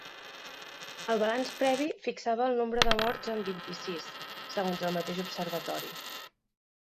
El balanç previ fixava el nombre de morts en vint-i-sis, segons el mateix observatori.